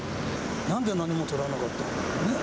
なんで何もとらなかったんだろうね。